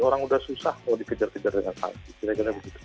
orang sudah susah kalau dikejar kejar dengan sanksi